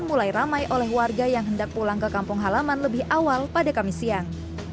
mulai ramai oleh warga yang hendak pulang ke kampung halaman lebih awal pada kamis siang